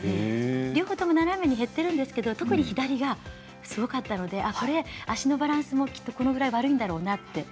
両方とも斜めに減っているんですけれども特に左がすごかったので足のバランスもきっとこのくらい悪いんだろうなって。